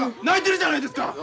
泣いてるじゃないですか！